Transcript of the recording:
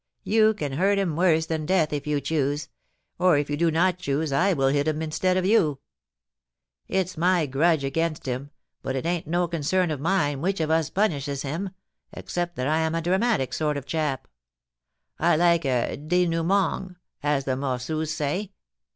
You can hurt him worse than death if you choose, or if you do not choose I will hit him instead of you. I've my grudge against him, but it ain't no concern of mine which of us punishes him, except that I am a dramatic sort of chap ; I like a dinoomong, as the Mossoos say.